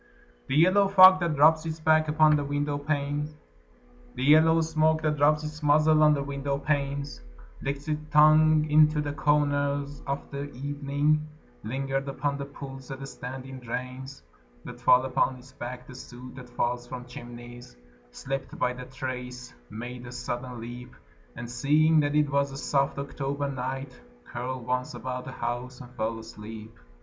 The yellow fog that rubs its back upon the window panes The yellow smoke that rubs its muzzle on the window panes Licked its tongue into the corners of the evening Lingered upon the pools that stand in drains, Let fall upon its back the soot that falls from chimneys, Slipped by the terrace, made a sudden leap, And seeing that it was a soft October night, Curled once about the house, and fell asleep.